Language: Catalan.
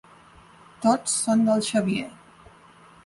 Tots són del Xavier.